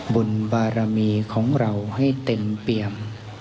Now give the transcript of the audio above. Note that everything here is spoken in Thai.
บนบารมีของเราให้เต็มเปี่ยม